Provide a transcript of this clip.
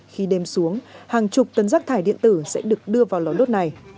khi đêm xuống hàng chục tấn rác thải điện tử sẽ được đưa vào lò đốt này